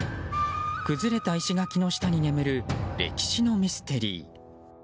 崩れた石垣の下に眠る歴史のミステリー。